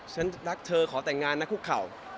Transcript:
ฉันรักเธอขอแต่งงานนะคุกเข่า